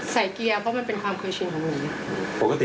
เกียร์เพราะมันเป็นความเคยชินของหนูปกติ